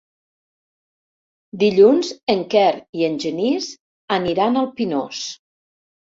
Dilluns en Quer i en Genís aniran al Pinós.